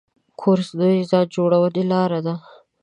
کورس د ځان جوړونې لاره ده.